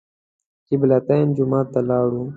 قبله تین جومات ته لاړو.